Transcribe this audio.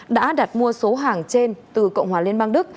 đã đặt mua số hàng trên từ cộng hòa liên bang đức